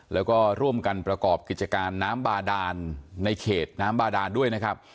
แล้วก็ร่วมกันประกอบกิจการน้ำบาดานในเขตน้ำบาดานด้วยนะครับ